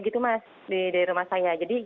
gitu mas dari rumah saya jadi